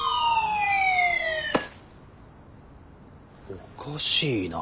おかしいな。